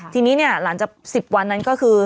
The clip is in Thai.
ทีนี้เนี่ยหลังจาก๑๐วันนั้นก็คือ